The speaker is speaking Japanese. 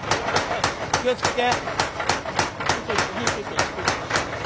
気を付けて！